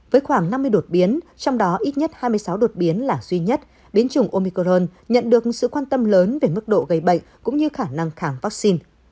với khoảng năm mươi đột biến trong đó ít nhất hai mươi sáu đột biến là duy nhất biến chủng omicron nhận được sự quan tâm lớn về mức độ gây bệnh cũng như khả năng kháng vaccine